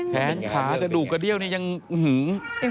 แค้นขากระดูกกระเดียวเนี่ยยังหึง